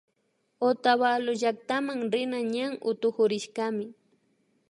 Otavalo llaktama rina ñan utukurishkami